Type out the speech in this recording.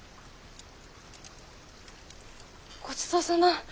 ごちそうさま。